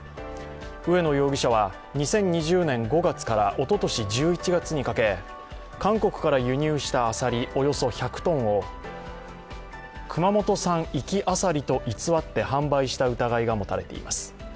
植野容疑者は２０２０年５月からおととし１１月にかけ韓国から輸入したアサリおよそ１００トンを熊本産活アサリと偽って販売した疑いが持たれています。